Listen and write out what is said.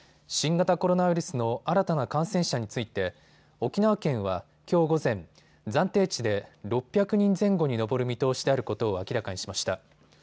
新型コロナウイルスの新たな感染者について沖縄県は、きょう午前、暫定値で６００人前後に上る見通しであることを明らかにしました。